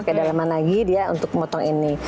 pakai daleman lagi dia untuk memotong ini